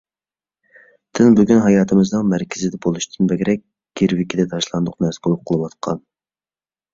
دىن بۈگۈن ھاياتىمىزنىڭ مەركىزىدە بولۇشتىن بەكرەك گىرۋىكىدىكى تاشلاندۇق نەرسە بولۇپ قېلىۋاتقان.